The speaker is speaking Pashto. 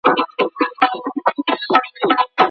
د دوکتورا برنامه په بیړه نه بشپړیږي.